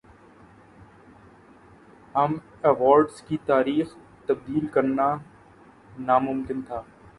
ہم ایوارڈز کی تاریخ تبدیل کرنا ناممکن تھا